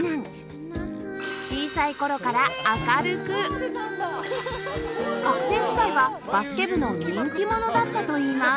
小さい頃から明るく学生時代はバスケ部の人気者だったといいます